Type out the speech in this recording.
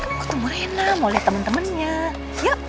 kamu ketemu rina mau liat temen temennya